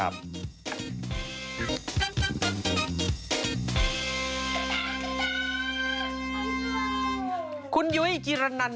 ปีหน้า